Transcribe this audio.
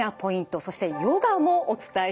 そしてヨガもお伝えしていきます。